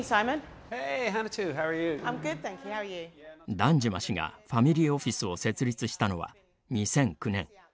ダンジュマ氏がファミリーオフィスを設立したのは２００９年。